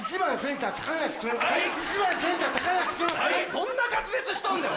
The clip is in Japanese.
どんな滑舌しとんねん！